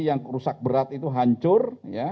yang rusak berat itu hancur